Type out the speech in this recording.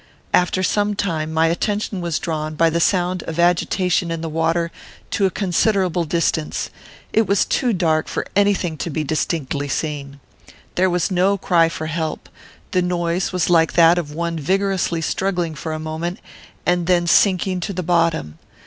After some time my attention was drawn, by the sound of agitation in the water, to a considerable distance. It was too dark for any thing to be distinctly seen. There was no cry for help. The noise was like that of one vigorously struggling for a moment, and then sinking to the bottom.